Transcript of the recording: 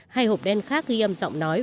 hai hộp đen khác ghi âm giọng nói